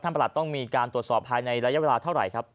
ประหลัดต้องมีการตรวจสอบภายในระยะเวลาเท่าไหร่ครับ